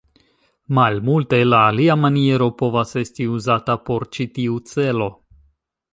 Malmulte la alia maniero povas esti uzata por ĉi tiu celo.